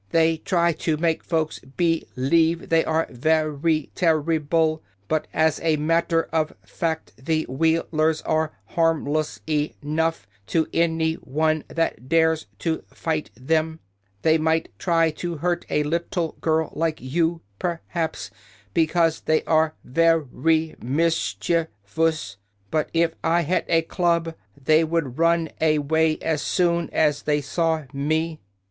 "They try to make folks be lieve that they are ver y ter ri ble, but as a mat ter of fact the Wheel ers are harm less e nough to an y one that dares to fight them. They might try to hurt a lit tle girl like you, per haps, be cause they are ver y mis chiev ous. But if I had a club they would run a way as soon as they saw me."